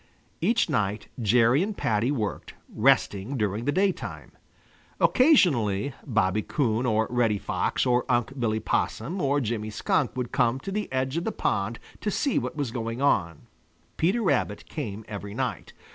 Each night Jerry and Paddy worked, resting during the daytime. Occasionally Bobby Coon or Reddy Fox or Unc' Billy Possum or Jimmy Skunk would come to the edge of the pond to see what was going on. Peter Rabbit came every night.